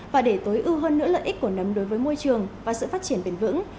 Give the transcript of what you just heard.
và để tối ưu hơn nữa lợi ích của nấm đối với môi trường và sự phát triển bền vững